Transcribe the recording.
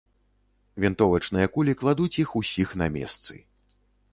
Вінтовачныя кулі кладуць іх усіх на месцы.